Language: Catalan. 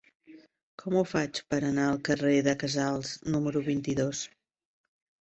Com ho faig per anar al carrer de Casals número vint-i-dos?